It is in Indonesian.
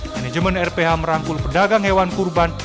manajemen rph merangkul pedagang hewan kurban